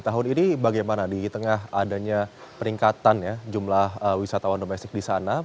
tahun ini bagaimana di tengah adanya peningkatan jumlah wisatawan domestik di sana